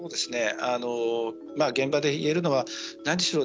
現場でいえるのは何しろ